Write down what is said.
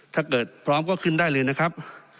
ถ้าเกิดพร้อมก็ขึ้นได้เลยนะครับ